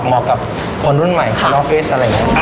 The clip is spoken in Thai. เหมาะกับคนรุ่นใหม่คในออนไฟว์ส์